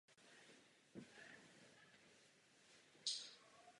Restauroval zde kostel Nanebevzetí Panny Marie.